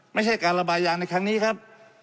ไม่ใช่การระบายยางในครั้งนี้ครับ